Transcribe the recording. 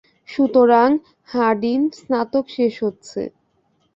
সুতরাং, হার্ডিন, স্নাতক শেষ হচ্ছে।